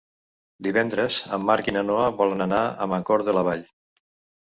Divendres en Marc i na Noa volen anar a Mancor de la Vall.